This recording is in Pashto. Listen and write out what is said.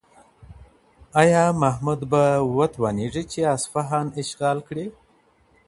آیا محمود به وتوانیږي چې اصفهان اشغال کړي؟